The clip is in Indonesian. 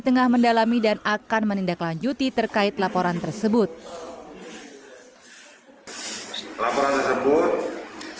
tengah mendalami dan akan menindaklanjuti terkait laporan tersebut laporan tersebut